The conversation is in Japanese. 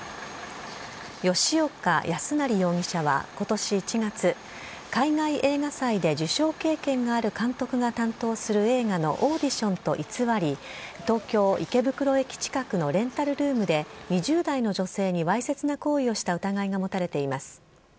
吉岡康成容疑者は、ことし１月、海外映画祭で受賞経験がある監督が担当する映画のオーディションと偽り、東京・池袋駅近くのレンタルルームで、２０代の女性にわいせつな行為をした疑いが持たれています。